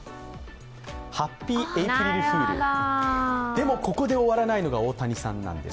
でも、ここで終わらないのが大谷さんなんです。